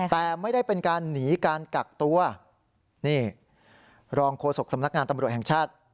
แต่ไม่ได้เป็นการหนีการกักตัวนี่รองโฆษกสำนักงานตำรวจแห่งชาติ